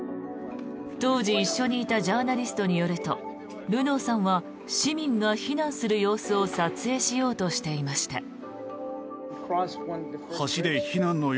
当時、一緒にいたジャーナリストによるとルノーさんは市民が避難する様子を撮影しようとしていました。